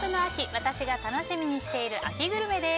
私が楽しみにしている秋グルメです。